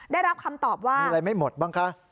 ได้รับคำตอบว่ามีอะไรไม่หมดบ้างคะ